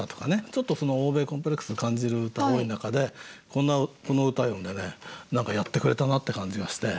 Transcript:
ちょっと欧米コンプレックス感じる歌が多い中でこの歌読んでね何かやってくれたなって感じがして。